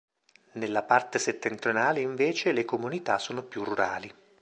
Nella parte settentrionale, invece, le comunità sono più rurali.